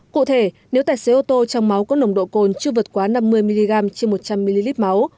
cụ thể nếu tài xế ô tô trong máu có nồng độ cồn chưa vượt quá năm mươi mg trên một trăm linh ml máu